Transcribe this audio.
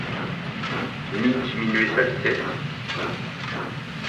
Ni diminuer sa vitesse ?